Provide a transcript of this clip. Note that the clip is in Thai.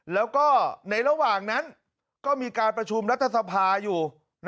แล้วก็ในระหว่างนั้นก็มีการประชุมรัฐสภาอยู่